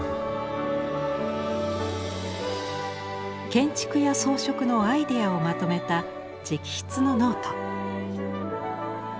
建築や装飾のアイデアをまとめた直筆のノート。